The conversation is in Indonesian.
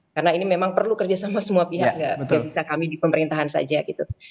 karena ini memang perlu kerja sama semua pihak nggak bisa kami di pemerintahan saja gitu